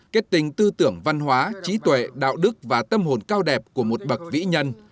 kết tình tư tưởng văn hóa trí tuệ đạo đức và tâm hồn cao đẹp của một bậc vĩ nhân